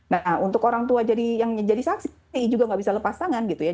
nah untuk orang tua yang jadi saksi ei juga nggak bisa lepas tangan gitu ya